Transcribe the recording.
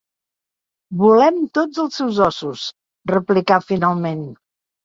Volem tots els seus ossos —replica finalment—.